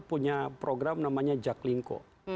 punya program namanya jaklinko